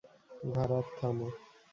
ভারাথ, থামো!